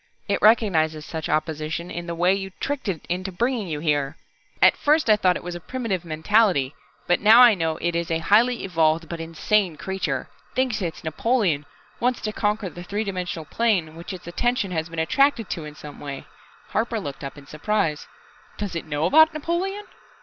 It recognizes such opposition in the way you tricked it into bringing you here. At first I thought it was a primitive mentality, but now I know it is a highly evolved, but insane creature, thinks it's Napoleon, wants to conquer the three dimensional plane which its attention has been attracted to in some way " Harper looked up in surprise. "Does it know about Napoleon?"